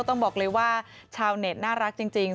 ต้องบอกเลยว่าชาวเน็ตน่ารักจริง